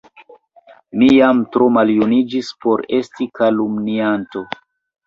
mi jam tro maljuniĝis por esti kalumnianto!